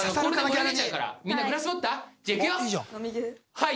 はい。